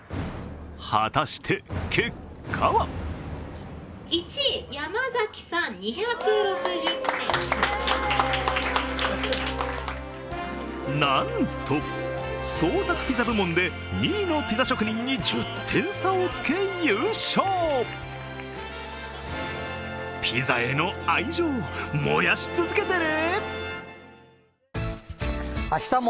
果たして結果はなんと、創作ピザ部門で２位のピザ職人に１０点差をつけ優勝ピザへの愛情、燃やし続けてね！